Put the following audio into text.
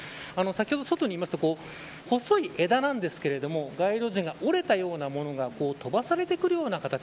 先ほど外にいますと細い枝なんですけど街路樹が折れたようなものが飛ばされてくるような形。